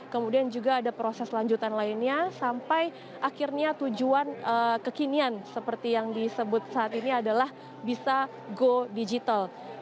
kemudian juga ada proses lanjutan lainnya sampai akhirnya tujuan kekinian seperti yang disebut saat ini adalah bisa go digital